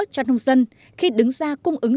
cho nông dân khi đứng ra cung ứng